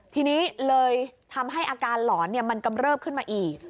ทีนี้เลยทำให้อาการหลอนมันกำเริบขึ้นมาอีก